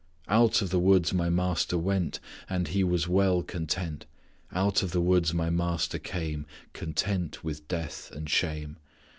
"Out of the woods my Master went And He was well content; Out of the woods my Master came Content with death and shame.